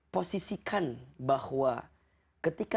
ketika kita berdoa